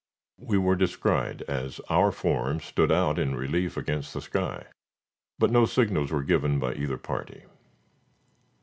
We were descried, as our forms stood out in relief against the sky, but no signals were given by either party.